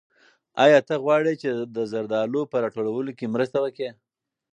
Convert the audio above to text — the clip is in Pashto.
آیا ته غواړې چې د زردالیو په راټولولو کې مرسته وکړې؟